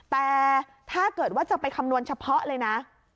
แต่ถ้าเกิดว่าจะไปคำนวณเฉพาะเลยนะ